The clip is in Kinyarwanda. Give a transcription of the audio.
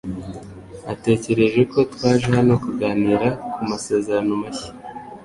Natekereje ko twaje hano kuganira ku masezerano mashya.